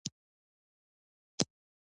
په افغانستان کې د غوښې بډایه منابع شته.